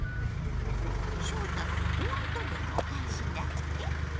翔太のホワイトデーのお返しだって？